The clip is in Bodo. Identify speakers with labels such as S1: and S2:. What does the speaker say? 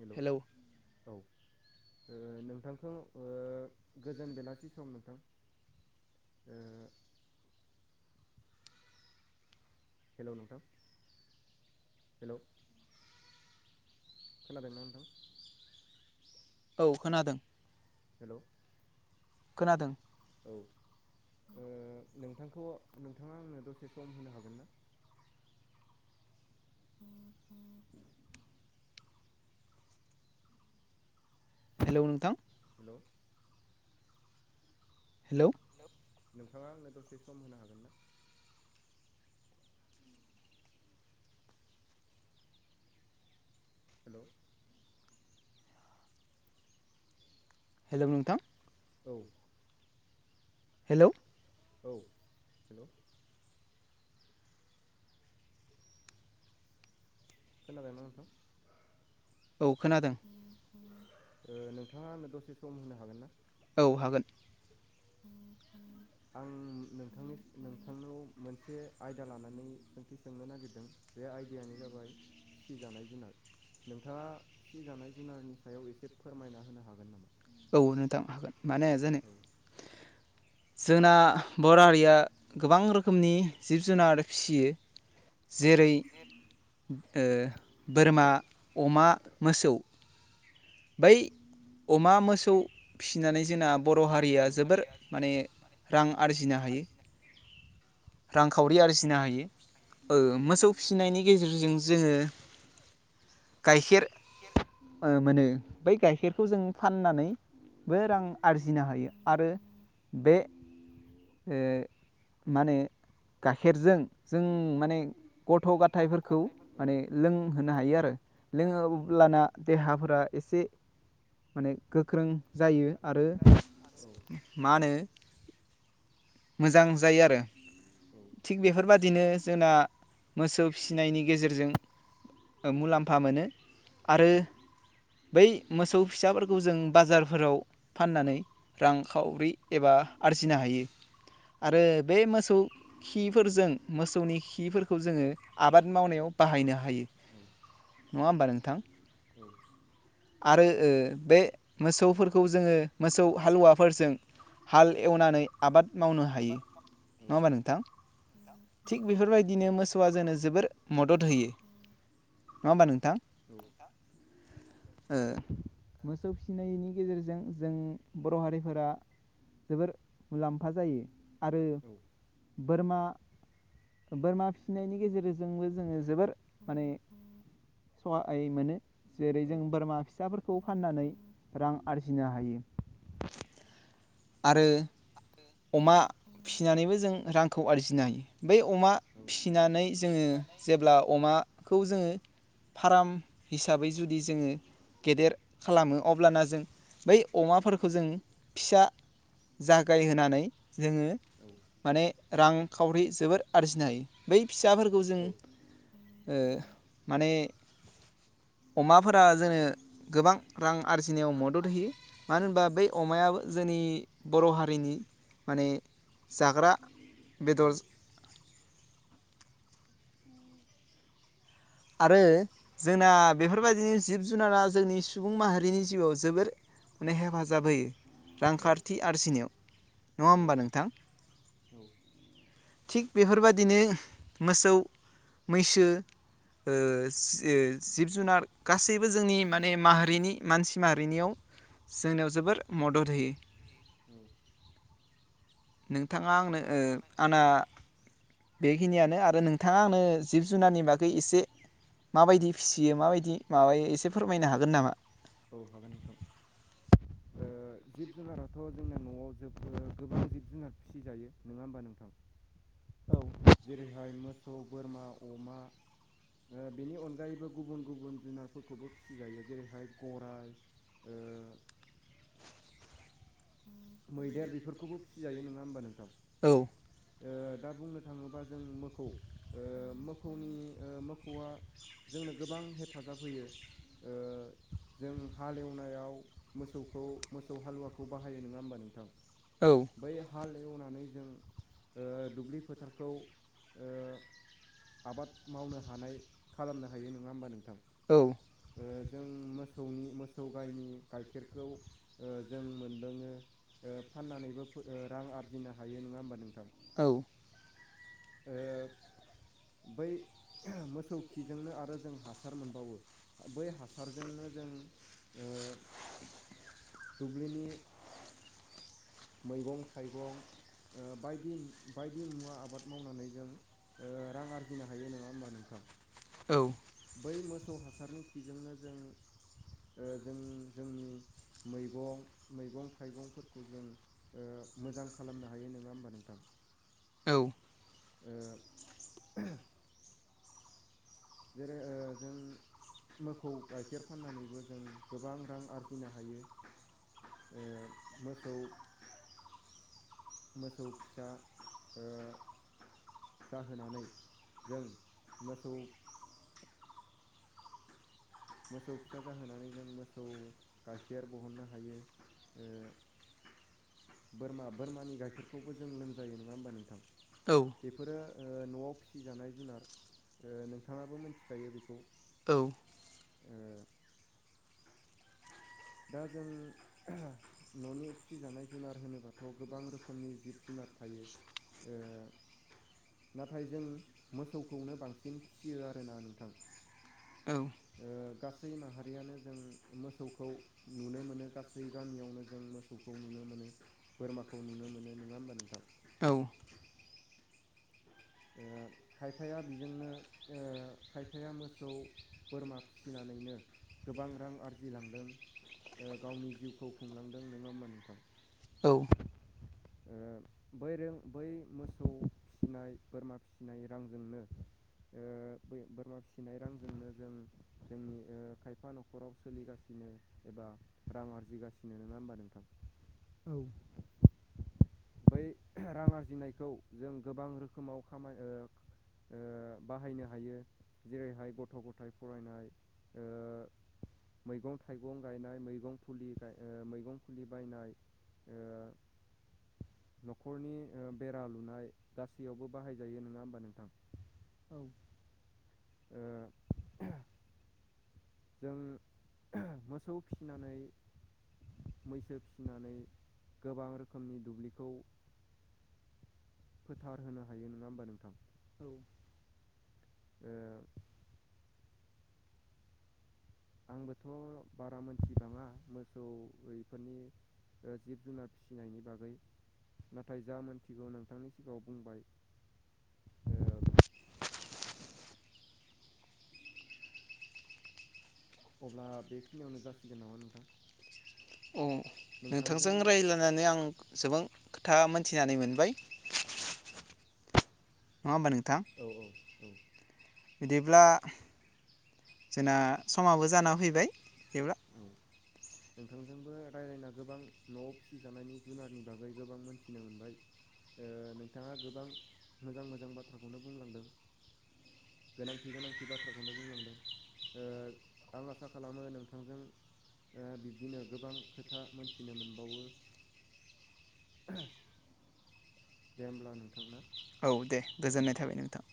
S1: हेलौ औ ओ नोंथांखौ गोजोन बेलासि सम नोंथां ओ हेलौ नोंथां हेलौ खोनादों ना नोंथां
S2: औ खोनादों
S1: हेलौ
S2: खोनादों
S1: औ ओ नोंथांखौ नोंथाङा आंनो दसे सम होनो हागोन ना [inaudible]
S2: हेलौ नोंथां
S1: हेलौ
S2: हेलौ
S1: हेलौ नोंथाङा आंनो दसे सम होनो हागोन ना हेलौ
S2: हेलौ नोंथां
S1: औ
S2: हेलौ
S1: औ हेलौ खोनादोंना नोंथां
S2: औ खोनादों
S1: ओ नोंथाङा आंनो दसे सम होनो हागोन ना
S2: औ हागोन
S1: [inaudible] आं नोंथांनि नोंथांनाव मोनसे आयदा लानानै सोंथि सोंनो नागिरदों बे आयदायानो जाबाय फिजानाय जुनार नोंथाङा फिजानाय जुनारनि सायाव एसे फोरमायना होनो हागोन नामा
S2: औ नोंथां हागोन मानो हाया जानो
S1: [inaudible]
S2: जोंना बर' हारिया गोबां रोखोमनि जिब जुनार फिसियो। जेरै बोरमा अमा मोसौ। बै अमा म मोसौ फिसिनानै जोंना बर' हारिया जोबोर माने रां आरजिनो हायो। रांखावरि आरजिनो हायो मोसौ फिसिनायनि गेजेरजों जोङो। गाइखेर मोनो बै गाइखेरखौ जों फाननानै। बे रां आरजिनो हायो आरो। बे माने गाइखेरजों जों माने गथ' गथायाइफोरखौ माने लोंहोनो हायो आरो लोङो। लाना देहाफोरा एसे माने गोख्रों। जायो आरो। मा होनो मोजां जायो आरो।
S1: औ।
S2: थिग बेफोरबादिनो जोंना मोसौ फिसिनायनि गेजेरजों। मुलाम्फा मोनो आरो। बै मोसौ फिसाफोरखौ जों बाजारफोराव फाननानै। रांखावरि एबा आरजिनो हायो आरो बे मोस मोसौ खिफोरजों मोसौनि खिफोरखौ जोङो आबाद मावनायाव बाहायनो हायो। बाहायो नङा होमबा नोंथां।
S1: औ।
S2: आरो बे मोसौफोरखौ जोङो मोसौ हालुवाफोरजों। हाल एवनानै आबाद मावनो हायो। नङा होमबा नोंथां थिग बेफोरबायदिनो मोसौआ जोंनो जोबोर। मदद होयो नङा होमबा नोंथां। मोसौ फिनायनि। गेजेरजों जों बर' हारिफोरा जोबोर मुलाम्फा जायो आरो। बोरमा बोरमा फिसिनायनि गेजेरजोंबो जोङो जोबोर माने सहाय मोनो जेरै जों बोरमा फिसाफोरखौ फाननानै। रां आरजिनो हायो। आरो।
S1: [unintelligible]
S2: फिसिनानैबो जों रांखौ आरजिनो हायो बै अमा फिसिनानै जोङो जे अब्ला अमाखौ जोङो फार्म हिसाबै जुदि जोङो। गेदेर खालामो अब्लाना जों बै अमाफोरखौ जों फिसा। जागायहोनानै जोङो।
S1: औ।
S2: माने रांखावरि जोबोर आरजिनो हायो। बै फिसाफोरखौ जों माने। अमाफोरा जोंनो गोबां रां आरजिनायाव मदद होयो मानो होनबा बै अमायाबो। जोंनि बर' हारिनि माने जाग्रा बेदर। आरो जोंना बेफोरबायदिनो जिब जुनारा जोंनि सुबुं माहारिनि जिउआव जोबोर। माने हेफाजाब होयो। रांखान्थि आरजिनायाव नङा होमबा नोंथां। थिग बेफोरबायदिनो मोसौ मैसो। जिब जुनार गासैबो जोंनि माने माहारिनि मानसि माहारिनियाव‌ जोंनियाव जोबोर मदद होयो।
S1: औ
S2: नोंथाङा आंनो आंना बेखिनियानो आरो नोंथाङा आंनो जिब जुनारनि बागै एसे माबायदि फिसियो माबायदि माबायो एसे फोरमायनो हागोन नामा
S1: औ हागोन नोंथां जिब जुनाराथ' जोंना न'आव जोब गोबां जिब जुनार फिसिजायो नङा होमबा नोंथां।
S2: औ।
S1: जेरैहाय मोसौ बोरमा अमा। बेनि अनगायैबो गुबुन गुबुन जुनारफोरखौबो फिसिजायो जेरैहाय गराइ। ओ मैदेर बेफोरखौबो फिसिजायो नङा होमबा नोंथां? दा बुंनो थाङोबा जों मोखौ मोसौनि मोसौआ। जोंनो गोबां हेफाजाब होयो। जों हालेवनायाव मोसौखौ मोसौ हालुवाखौ बाहायो नङा होमबा नोंथां। बै हाल एवनानै जों। दुब्लि फोथारखौ आबाद मावनो हानाय। खालामनो हायो नङा होमबा नोंथां। जों मोसौनि मोसौ गायनि गाइखेरखौ। जों मोनलोङो फाननानैबो रां आरजिनो हायो नङा होमबा नोंथां
S2: औ।
S1: ओ बै। मोसौ खिजोंनो आरो जों हासार मोनबावो बै हासारजोंनो जों। दुब्लिनि। मैगं थाइगं बायदि बायदि मुवा आबाद मावनानै जों। रां आरजिनो हायो नङा होमबा नोंथां।
S2: औ।
S1: बै मोसौ हासारनि खिजोंनो जों जों जोंनि। मैगं मैगं थाइगंफोरखौ जों मोजां खालामनो हायो नङा होमबा नोंथां।
S2: औ।
S1: ओ। जेरै जों।
S2: मोखौौ गाइखेर फाननानैबो जों गोबां रां रावखनो हायो।
S1: ओ मोसौ। मोसौ फिसा। जाहोनानै जों मोसौ। मोसौ फिसा जाहोनानै जों मोसौ गाइखेर बहननो हायो। बोरमा बोरमानि गाइखेरखौबो जों लोंजायो नङा होमबा नोंथां बे बेफोरो न'आव फिसिजानाय जुनार नोंथाङाबो मोनथिखायो बेखौ।
S2: औ।
S1: ओ दा जों न'नि फिसिजानाय जुनार होनोब्ला। थ' गोबां रोखोमनि जिब जुनार थायो।
S2: नाथाय जों मोसौखौनो बांसिन फियो आरोना।
S1: गासै माहारियानो जों मोसौखौ। नुनो मोनो गासै गामियावनो जों मोसौखौ नुनो मोनो। बोरमाखौ नुनो मोनो नङा होमबा नोंथां?
S2: औ।
S1: ओ खायफाया बेजोंनो खायफाया मोसौ। बोरमा फिसिनानैनो गोबां रां आरजिलांदों गावनि जिउखौ खुंलांदों नङा होमा नोंथां।
S2: औ।
S1: बै रों बै मोसौ फिसिनाय बोरमा फिसिनाय रांजोंनो ओ बोरमा फिसिनाय रांजोंनो जों जोंनि खायफा न'खराव सोलिगासिनो एबा रां आरजिगासिनो नङा होमबा नोंथां?
S2: औ।
S1: बै रां आरजिनायखौ जों गोबां रोखोमाव खाम ओ बाहायनो हायो जेरैहाय गथ' गथाइ फरायनाय ओ मैगं-थाइगं गायनाय मैगं फुलि मैगं फुलि बायनाय न'खरनि बेरा लुनाय गासैयावबो बाहायजायो नङा होमबा नोंथां।
S2: औ।
S1: ओ जों मोसौ फिसिनानै मैसो फिसिनानै गोबां रोखोमनि दुब्लिखौ फोथार होनो हायो नङा होमबा नोंथां।
S2: औ।
S1: ओ आंबोथ' बारा मोनथिबाङा मोसौफोरनि जिब जुनार फिसिनायनि बागै नाथाय जा मोनथिगौ नोंथांनि सिगाङाव बुंबाय। अब्ला बेखिनियावनो जासिगोन नामा नोंथां?
S2: औ नोंथांजों रायज्लायनानै आं जोबां खोथा मोनथिनानै मोनबाय नङा होनबा नोथां? बिदिब्ला जोंना समाबो जाना फैबाय बिदिब्ला
S1: औ। नोंथांजोंबो रायज्लायना गोबां न'आव फिसिजानायनि जुनारनि बागै गोबां मोनथिनो मोनबाय। नोंथाङा गोबां मोजां मोजां बाथ्राखौनो बुंलांदों। गोनांथि गोनांथि बाथ्राखौनो बुंलांदों आं आसा खालामो नों बिथांजों बिब्दिनो गोबां खोथा मोनथिनो मोनबावो। दे होमब्ला नोंथांना।
S2: औ दे गोजोननाय थाबाय नोंथां।